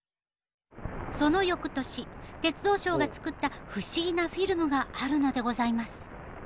そのよくとし鉄道省が作った不思議なフィルムがあるのでございます。